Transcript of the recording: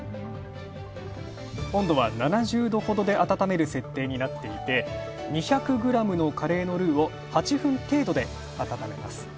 温度は７０度ほどで温める設定になっていて、２００グラムのカレーのルーを８分程度で温めます。